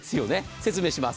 説明します。